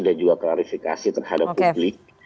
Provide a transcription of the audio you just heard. dan juga klarifikasi terhadap publik